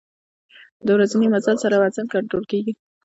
د ورځني مزل سره وزن کنټرول کېږي.